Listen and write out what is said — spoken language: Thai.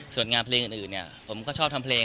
ส่วนงานเพลงอื่นผมก็ชอบทำเพลง